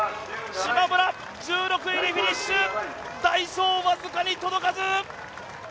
しまむら、１６位でフィニッシュ、ダイソー僅かに届かず。